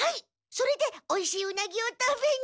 それでおいしいウナギを食べに。